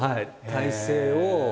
体勢を。